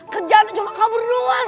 kerjaan cuma kabur doang